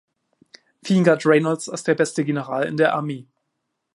Vielen galt Reynolds als der beste General in der Armee.